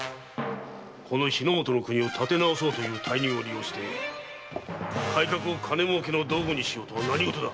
この日の本の国を建て直そうという大任を利用して改革を金儲けの道具にしようとは何事だ！